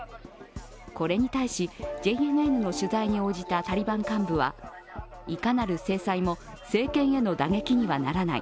これに対し、ＪＮＮの取材に応じたタリバン幹部はいかなる制裁も政権への打撃にはならない。